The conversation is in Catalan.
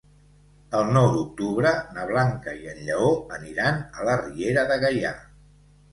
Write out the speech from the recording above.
El nou d'octubre na Blanca i en Lleó aniran a la Riera de Gaià.